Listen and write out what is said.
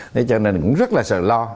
thế cho nên cũng rất là sợ lo